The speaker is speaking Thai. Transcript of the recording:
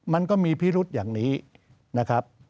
มันก็มีพิรุษอย่างนี้นะครับ